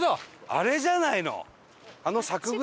あれじゃないの？